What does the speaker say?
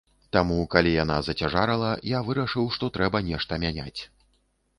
Таму калі яна зацяжарала, я вырашыў, што трэба нешта мяняць.